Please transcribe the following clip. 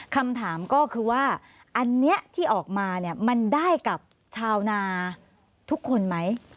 คำถามก็คือว่าอันนี้ที่ออกมาเนี่ยมันได้กับชาวนาทุกคนไหม